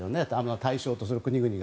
対象とする国々が。